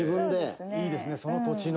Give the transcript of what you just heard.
「いいですねその土地の」